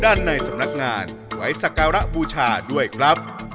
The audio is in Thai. ด้านในสำนักงานไว้สักการะบูชาด้วยครับ